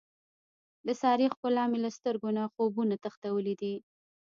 د سارې ښکلا مې له سترګو نه خوبونه تښتولي دي.